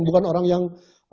bukan orang yang